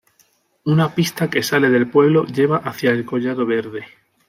Una pista que sale del pueblo lleva hacia el collado Verde.